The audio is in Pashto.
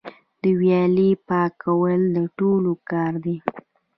د ویالې پاکول د ټولو کار دی؟